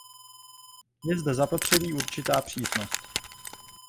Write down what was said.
Je zde zapotřebí určitá přísnost.